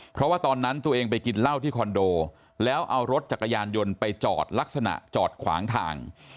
เพราะว่าตอนนั้นตัวเองไปกินเหล้าที่คอนโดแล้วเอารถจักรยานยนต์ไปจอดลักษณะจอดขวางทาง